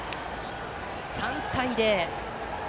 ３対０！